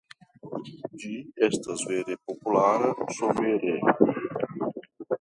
Ĝi estas vere populara somere.